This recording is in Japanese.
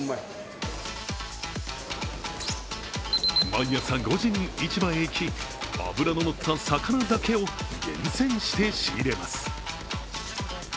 毎朝５時に市場へ行き、脂ののった魚だけを厳選して仕入れます。